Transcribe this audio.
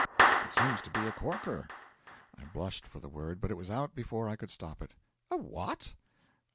'It seems to be a corker.' I blushed for the word, but it was out before I could stop it. 'A what?'